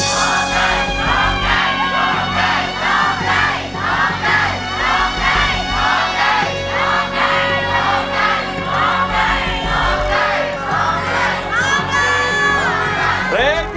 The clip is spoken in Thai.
โรคใจโรคใจโรคใจโรคใจโรคใจ